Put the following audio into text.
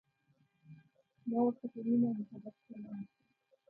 ما ورته په مینه او محبت سلام وکړ.